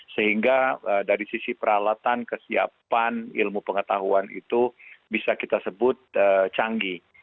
sehingga dari sisi peralatan kesiapan ilmu pengetahuan itu bisa kita sebut canggih